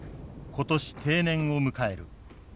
今年定年を迎える。